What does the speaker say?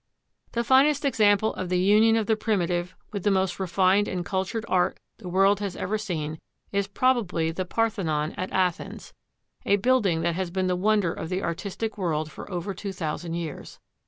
The finest example of the union of the primitive with the most refined and cultured art the world has ever seen is probably the Parthenon at Athens, a building that has been the wonder of the artistic world for over two thousand years.